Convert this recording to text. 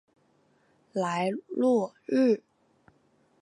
莱洛日。